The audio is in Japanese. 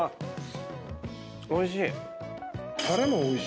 おいしい。